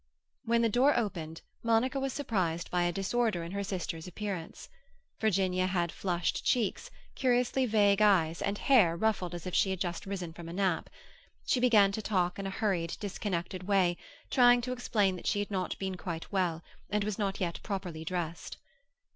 When the door opened Monica was surprised by a disorder in her sister's appearance. Virginia had flushed cheeks, curiously vague eyes, and hair ruffled as if she had just risen from a nap. She began to talk in a hurried, disconnected way, trying to explain that she had not been quite well, and was not yet properly dressed.